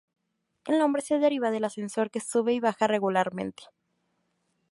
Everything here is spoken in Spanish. El nombre se deriva del ascensor que sube y baja regularmente.